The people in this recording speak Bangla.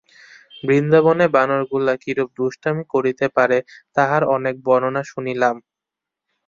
বৃন্দাবনে বানরগুলা কিরূপ দুষ্টামি করিতে পারে, তাহার অনেক বর্ণনা শুনিলাম।